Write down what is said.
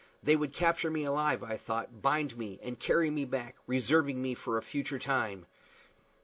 They would capture me alive, I thought, bind me, and carry me back, reserving me for a future time!